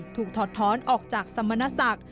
ถอดท้อนออกจากสมณศักดิ์